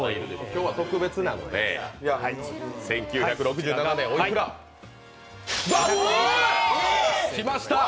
今日は特別なので、１９６７年おいくら？来ました！